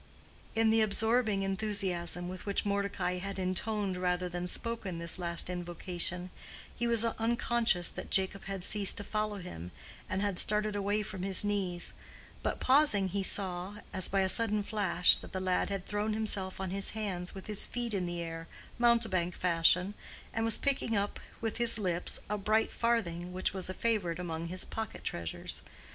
In the absorbing enthusiasm with which Mordecai had intoned rather than spoken this last invocation, he was unconscious that Jacob had ceased to follow him and had started away from his knees; but pausing he saw, as by a sudden flash, that the lad had thrown himself on his hands with his feet in the air, mountebank fashion, and was picking up with his lips a bright farthing which was a favorite among his pocket treasures.